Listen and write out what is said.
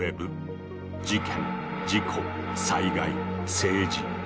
事件事故災害政治。